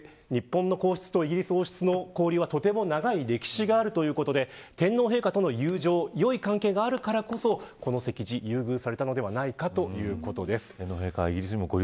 日本の皇室とイギリス王室の交流はすごく長い歴史があるということで天皇陛下との友情やよい関係があるからこそ席次が優遇されたのではということです。